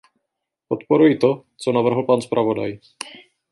Podporuji to, co navrhl pan zpravodaj.